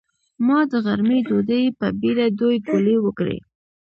ما د غرمۍ ډوډۍ په بېړه دوې ګولې وکړې.